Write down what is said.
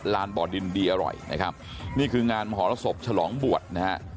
บ่อดินดีอร่อยนะครับนี่คืองานมหรสบฉลองบวชนะฮะ